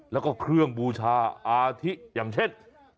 แล้วก็เครื่องบูชาอาทิอย่างเช่น